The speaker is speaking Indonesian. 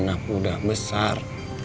anak udah besar